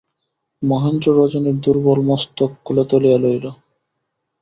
মহেন্দ্র রজনীর দুর্বল মস্তক কোলে তুলিয়া লইল।